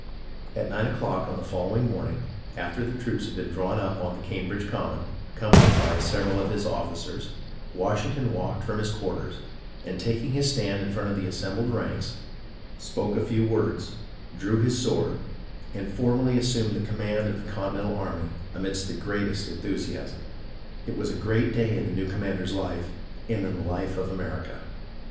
At nine o'clock on the following morning, after the troops had been drawn up on the Cambridge common, 68 THE CONTINENTAL SOLDIERS 69 accompanied by several of his officers Washington walked from his quarters, and taking his stand in front of the assembled ranks, spoke a few words, drew his sword, and formally assumed the command of the Continental army amidst the greatest enthusiasm. It was a great day in the new commander's hfe and in the life of America.